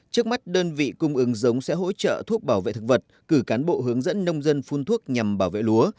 trước mắt đơn vị cung ứng giống sẽ hỗ trợ thuốc bảo vệ thực vật cử cán bộ hướng dẫn nông dân phun thuốc nhằm bảo vệ lúa